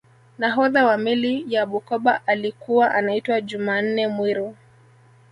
nahodha wa meli ya bukoba alikuwa anaitwa jumanne mwiru